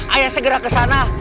ayo segera kesana